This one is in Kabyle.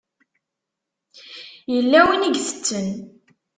Yella win i itetten.